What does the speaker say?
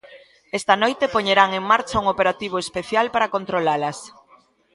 Esta noite poñerán en marcha un operativo especial para controlalas.